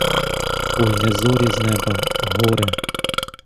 Ой не зорі з неба: горе!